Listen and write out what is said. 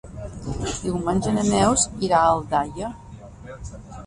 Diumenge na Neus irà a Aldaia.